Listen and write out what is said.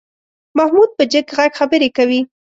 محمود په جګ غږ خبرې کوي.